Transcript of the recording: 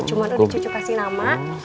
cuma tuh cucu kasih nama